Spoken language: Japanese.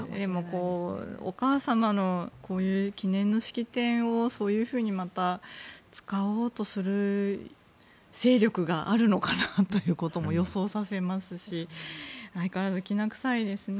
お母様のこういう記念の式典をそういうふうにまた使おうとする勢力があるのかなとも予想させますし相変わらず、きな臭いですね。